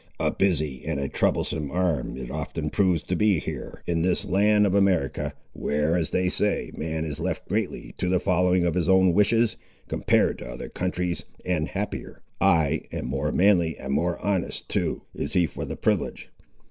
"A busy and a troublesome arm it often proves to be here, in this land of America; where, as they say, man is left greatly to the following of his own wishes, compared to other countries; and happier, ay, and more manly and more honest, too, is he for the privilege!